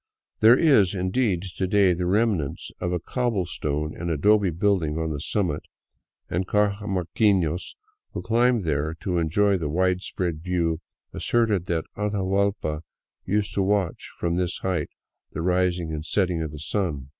There is, indeed, to day the remnants of a cobble stone and adobe building on the summit, and cajamarquinos who climb there to enjoy the widespread view asserted that Atahuallpa used to watch from this height the rising and setting of the sun.